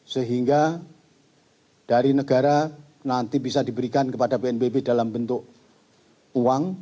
sehingga dari negara nanti bisa diberikan kepada bnpb dalam bentuk uang